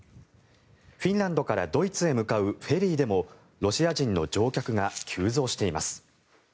フィンランドからドイツへ向かうフェリーでもロシア人の乗客が急増しています。